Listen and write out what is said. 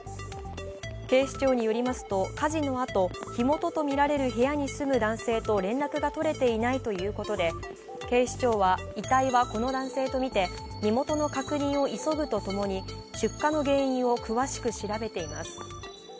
警視庁によりますと火事のあと、火元とみられる部屋に住む男性と連絡が撮れていないということで警視庁は遺体はこの男性とみて身元の確認を急ぐとともに、出火の原因を詳しく調べています。